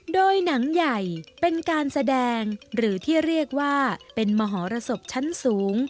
โดยหนังใหญ่เป็นการแสดงหรือที่เรียกว่าเป็นมหรสบชั้นสูง